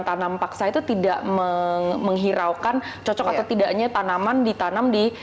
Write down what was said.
tanam paksa itu tidak menghiraukan cocok atau tidaknya tanaman ditanam di